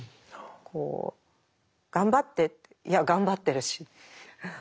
こう「頑張って」っていや頑張ってるし。